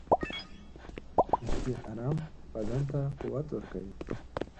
• د شپې ارام بدن ته قوت ورکوي.